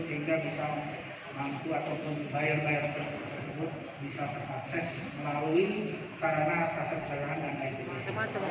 sehingga bisa mampu ataupun buyer buyer tersebut bisa terakses melalui sarana pasar perjalanan dan lain lain